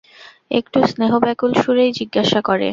একটু স্নেহব্যাকুল সুরেই জিজ্ঞাসা করে।